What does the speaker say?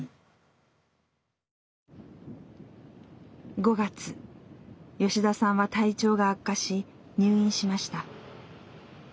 ５月吉田さんは体調が悪化し入院しました。